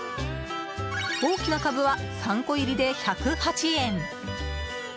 大きなカブは３個入りで１０８円。